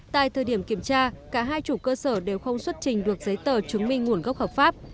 tại thời điểm kiểm tra cả hai chủ cơ sở đều không xuất trình được giấy tờ chứng minh nguồn gốc hợp pháp